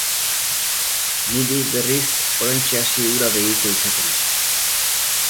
Niri, berriz, oraintxe hasi hura begiko izaten.